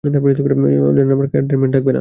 রেহান আপনাকে আর dead man ডাকবে না।